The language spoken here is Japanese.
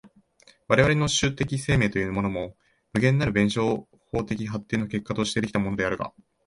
我々の種的生命というものも、無限なる弁証法的発展の結果として出来たものであるが、